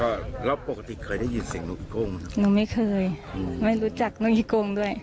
ก็เราปกติเคยได้ยินเสียงหนูอีกงหนูไม่เคยอืมไม่รู้จักหนูอีกงด้วย